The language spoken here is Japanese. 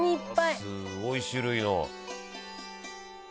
「すごい種類の」